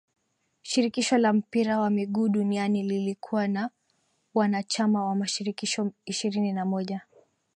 shirikisho la mpira wa miguu duniani lilikuwa na uanachama wa mashirikisho ishirini na moja